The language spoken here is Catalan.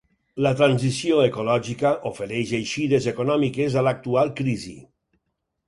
La transició ecològica ofereix eixides econòmiques a l’actual crisi.